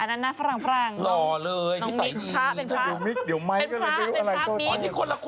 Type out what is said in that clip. อันนั้นมั๊ยอีกมั๊ยหนึ่ง